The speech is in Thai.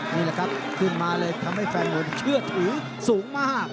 นี่แหละครับขึ้นมาเลยทำให้แฟนมวยเชื่อถือสูงมาก